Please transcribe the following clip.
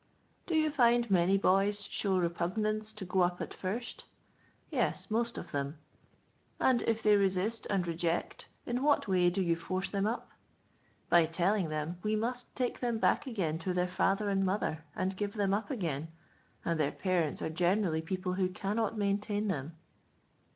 " Do you find many boys show repugnance to go up at first? — Yes, most of them. " And if they resist and reject, in what way do you force them up] — By telling them we must take them back again to their father and mother, and give them up again ; and their parents are generally people who cannot maintain them.